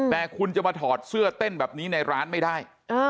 แต่คุณจะมาถอดเสื้อเต้นแบบนี้ในร้านไม่ได้